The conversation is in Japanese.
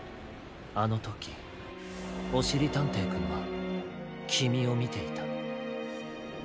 あのときおしりたんていくんはきみをみていた。